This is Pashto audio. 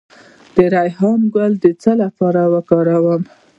د ریحان ګل د څه لپاره وکاروم؟